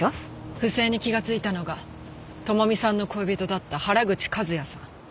不正に気がついたのが朋美さんの恋人だった原口和也さん。